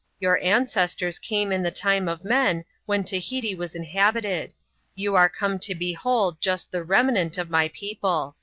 Your ancestors came in the time of men, when Tahiti was inhabited : you are come to behold just the remnant of my people."